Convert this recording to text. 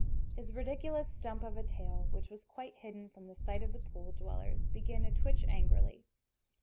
His ridiculous stump of a tail, which was quite hidden from the sight of the pool dwellers, began to twitch angrily.